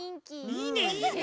いいねいいね。